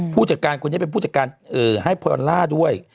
ผู้จัดการคนนี้เป็นผู้จัดการให้พอออลล่าด้วย